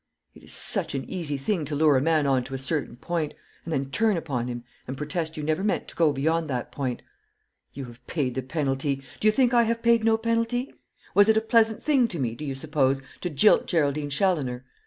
It is such an easy thing to lure a man on to a certain point, and then turn upon him and protest you never meant to go beyond that point. You have paid the penalty! Do you think I have paid no penalty? Was it a pleasant thing to me, do you suppose, to jilt Geraldine Challoner?